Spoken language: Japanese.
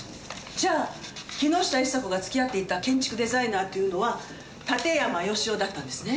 じゃあ木下伊沙子が付き合っていた建築デザイナーっていうのは館山義男だったんですね。